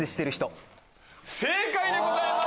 正解でございます。